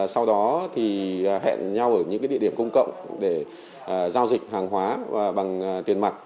sau đó thì hẹn nhau ở những địa điểm công cộng để giao dịch hàng hóa và bằng tiền mặt